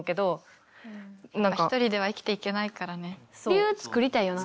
理由作りたいよな。